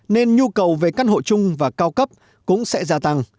nên nhu cầu về căn hộ chung và cao cấp cũng sẽ gia tăng